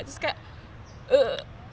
terus kayak ee